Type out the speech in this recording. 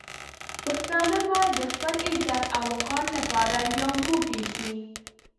پښتانه باید د خپل عزت او وقار لپاره یو موټی شي.